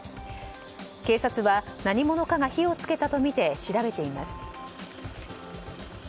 警察は何者かが火を付けたとみて調べています。